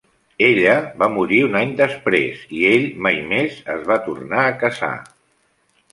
Ella va morir un any després i ell mai més es va tornar a casar.